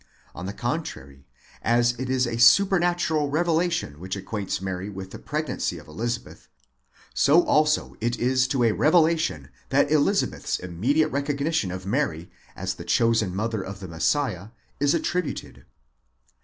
On the contrary, as it is a supernatural revelation which acquaints Mary with the pregnancy of Elizabeth, so also it is to a revelation that Elizabeth's immediate recognition of Mary, as the chosen mother of the Messiah, is attributed.?